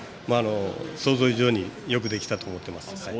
想像以上によくできたと思ってます。